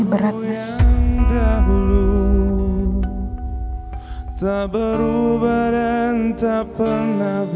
ini berat mas